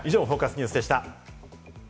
ニュースでした。